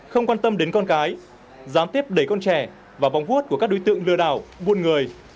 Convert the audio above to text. thăm đến con cái dám tiếp đẩy con trẻ và bóng vuốt của các đối tượng lừa đạo buồn người